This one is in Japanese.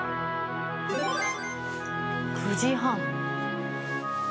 ９時半。